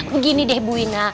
begini deh bu wina